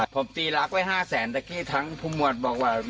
ผมตีรักไว้๕แสนตะกี้ทั้งผู้หมวดบอกว่า